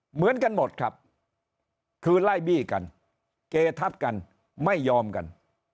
เหมือนกันหมดครับคือไล่บี้กันเกทับกันไม่ยอมกัน